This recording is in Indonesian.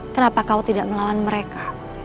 kenapa kau tidak melawan mereka